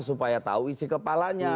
supaya tahu isi kepalanya